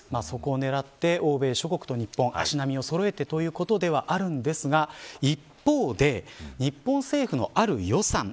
そこを狙って欧米諸国と日本が足並みをそろえてというところではありますが一方で、日本政府のある予算